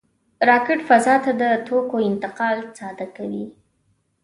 راکټ فضا ته د توکو انتقال ساده کوي